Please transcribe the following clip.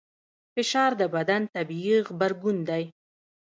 فشار د بدن طبیعي غبرګون دی.